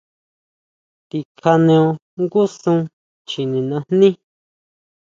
Tikjaneo jngu sún chjine najní.